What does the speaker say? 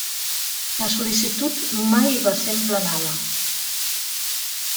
La sol·licitud mai va ser emplenada.